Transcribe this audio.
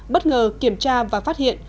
bất ngờ kiểm tra và phát hiện